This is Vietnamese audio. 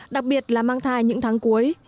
đặc biệt là mang thai những tháng cuối